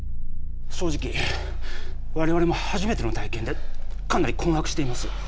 正直我々も初めての体験でかなり困惑しています。